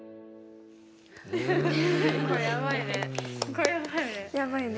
これやばいね。